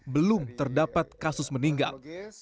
belum terdapat kasus meninggal